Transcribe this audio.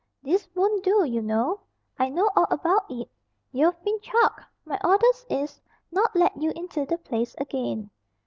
"This won't do, you know. I know all about it you've been chucked. My orders is, not let you into the place again."